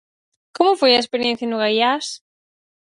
Como foi a experiencia no Gaiás?